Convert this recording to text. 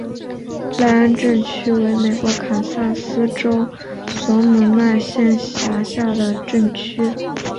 赖恩镇区为美国堪萨斯州索姆奈县辖下的镇区。